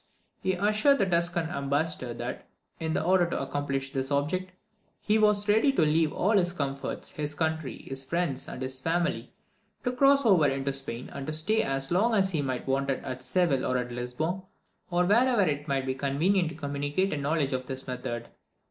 He assured the Tuscan ambassador that, in order to accomplish this object, "he was ready to leave all his comforts, his country, his friends, and his family, to cross over into Spain, and to stay as long as he might be wanted at Seville or at Lisbon, or wherever it might be convenient to communicate a knowledge of his method."